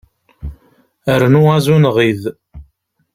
Rnu azunɣid.